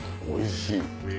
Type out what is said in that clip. おいしい！